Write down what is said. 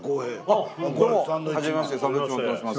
あっどうもはじめましてサンドウィッチマンと申します。